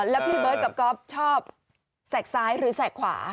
แล้วพี่เบิร์ตกับก๊อฟชอบแสกซ้ายหรือแสกขวา